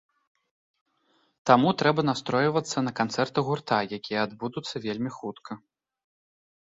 Таму трэба настройвацца на канцэрты гурта, якія адбудуцца вельмі хутка.